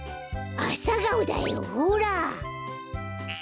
アサガオだよほら！